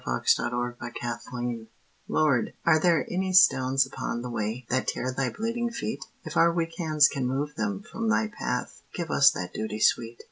FOR A BROTHER'S INSTALLATION. Lord, are there any stones upon the way, That tear Thy bleeding feet? If our weak hands can move them from Thy path, Give us that duty sweet.